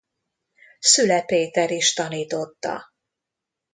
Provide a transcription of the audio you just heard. Szüle Péter is tanította.